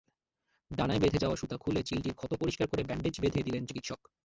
ডানায় বেঁধে যাওয়া সুতা খুলে চিলটির ক্ষত পরিষ্কার করে ব্যান্ডেজ বেঁধে দিলেন চিকিৎসক।